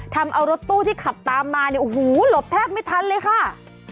ทำเอารถตู้ที่ขับตามมาเนี่ยโอ้โหหลบแทบไม่ทันเลยค่ะ